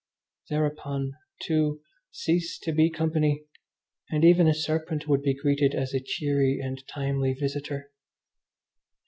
Thereupon two cease to be company, and even a serpent would be greeted as a cheery and timely visitor.